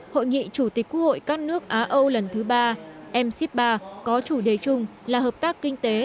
hội nghị chủ tịch quốc hội các nước á âu lần thứ ba mc ba có chủ đề chung là hợp tác kinh tế